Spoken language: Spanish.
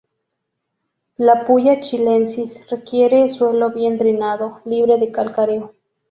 La "Puya chilensis" requiere suelo bien drenado, libre de calcáreo.